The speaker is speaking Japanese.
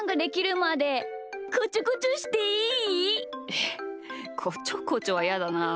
えっこちょこちょはやだな。